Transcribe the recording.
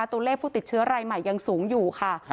ตัวเลขผู้ติดเชื้อรายใหม่ยังสูงอยู่ค่ะ